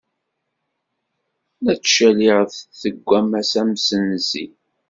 La ttcaliɣ deg wammas amsenzi.